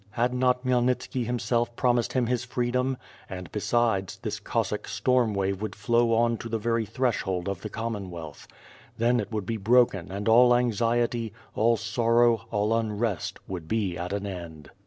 Had not Khmyelnitski himself promised him his freedom — and, besides, this Cossack storm wave would flow on to the very threshold of the Commonwealth. Then it would ])e broken and all anxiety, all sorrow, all unrest would be at an end.